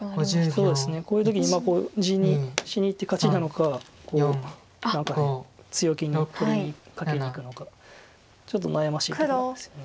そうですねこういう時に地にしにいって勝ちなのかこう中で強気に取りにカケにいくのかちょっと悩ましいとこなんですよね。